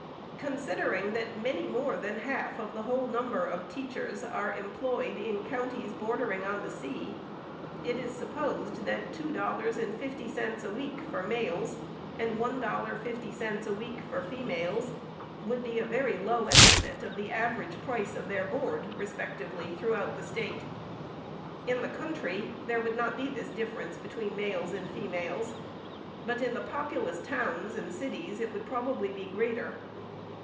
Considering that many more than half of the whole number of "teachers are employed in the counties bordering on the sea, it is supposed that two FIRST ANNUAL REPORT. 423 dollars and fifty cents a week for males, and one dollar and fifty cents a week for females, would be a very low estimate for the average price of their board, respectively, throughout the State. In the country, there would not be this difference between males and females, but in the populous towns arid cities it would probably be greater.